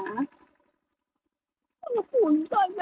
อบอุ่นตอนนั้น